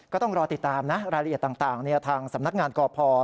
ก็ต้องรอติดตามนะรายละเอียดต่างทางสำนักงานกพ